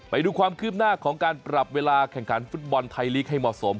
ไปดูความคืบหน้าของการปรับเวลาแข่งขันฟุตบอลไทยลีกให้เหมาะสม